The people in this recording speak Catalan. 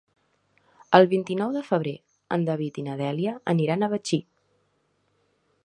El vint-i-nou de febrer en David i na Dèlia aniran a Betxí.